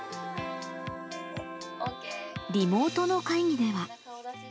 リモートの会議では。